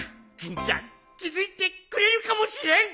欽ちゃん気付いてくれるかもしれん。